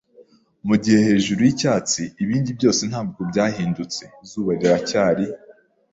mugihe hejuru yicyatsi. Ibindi byose ntabwo byahindutse, izuba riracyari